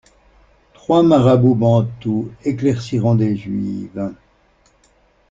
Trois marabouts bantous éclairciront des juives.